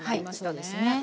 そうですね。